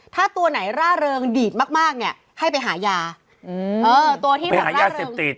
ถ้าตัวไหนร่าเริงดีดมากเนี่ยให้ไปหายาเขาไปหายาเสพติด